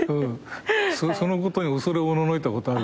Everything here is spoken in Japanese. そのことに恐れおののいたことある。